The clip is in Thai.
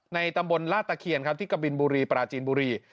ตำบลลาตะเคียนครับที่กะบินบุรีปราจีนบุรี